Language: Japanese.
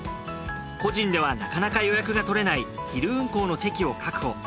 個人ではなかなか予約が取れない昼運行の席を確保。